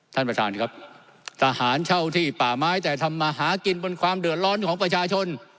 ท่านประธานครับทหารเช่าที่ป่าไม้แต่ทำมาหากินบนความเดือดร้อนของประชาชน